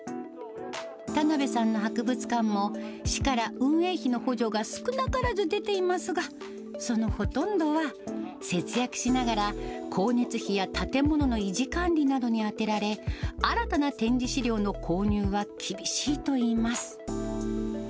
田辺さんの博物館も、市から運営費の補助が少なからず出ていますが、そのほとんどは節約しながら、光熱費や建物の維持管理などに充てられ、新たな展示資料の購入は厳しいといいます。